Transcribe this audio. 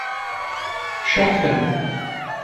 Şahsen.